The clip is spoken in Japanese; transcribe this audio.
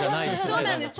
そうなんです。